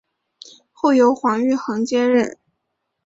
后由黄玉衡接任。